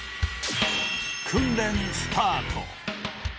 訓練スタート！